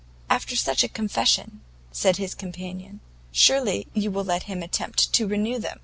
"After such a confession," said his companion, "surely you will let him attempt to renew them?